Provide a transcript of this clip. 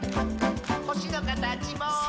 「ほしのかたちも」